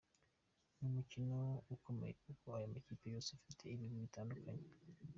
Ni umukino ukomeye kuko aya makipe yose afite ibigwi bitandukanye.